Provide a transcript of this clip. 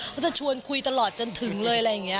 ก็จะชวนคุยตลอดจนถึงเลยอะไรอย่างนี้